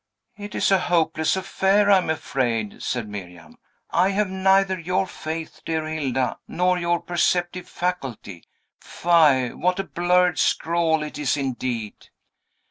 "It is a hopeless affair, I am afraid," said Miriam. "I have neither your faith, dear Hilda, nor your perceptive faculty. Fie! what a blurred scrawl it is indeed!"